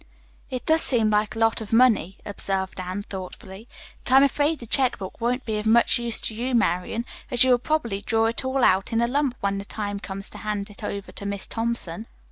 "It does seem like a lot of money," observed Anne thoughtfully, "but I'm afraid the check book won't be of much use to you, Marian, as you will probably draw it all out in a lump when the time comes to hand it over to Miss Thompson."